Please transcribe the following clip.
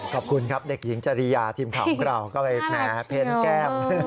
ขอบคุณครับเด็กหญิงจริยาทีมของเราก็ไปแผนแก้ม